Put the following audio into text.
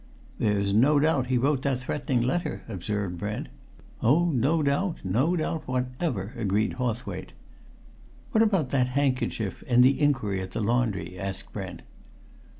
"There's no doubt he wrote that threatening letter," observed Brent. "Oh, no doubt, no doubt whatever," agreed Hawthwaite. "What about that handkerchief and the inquiry at the laundry?" asked Brent.